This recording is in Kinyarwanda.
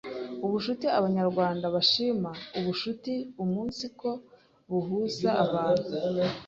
Ubucuti Abanyarwanda bashima ubucuti umunsiko buhuza abantu.